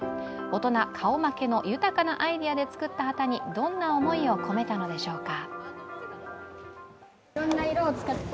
大人顔負けの豊かなアイデアで作った旗にどんな思いを込めたのでしょうか。